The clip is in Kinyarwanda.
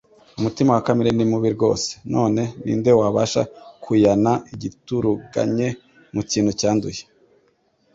Umutima wa kamere ni mubi rwose : none «ninde wabasha kuyana igituruganye mu kintu cyanduye?